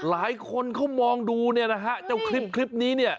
หลายคนเขามองดูเนี่ยนะฮะเจ้าคลิปคลิปนี้เนี่ย